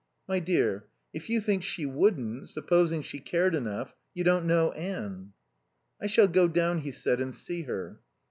"My dear, if you think she wouldn't, supposing she cared enough, you don't know Anne." "I shall go down," he said, "and see her."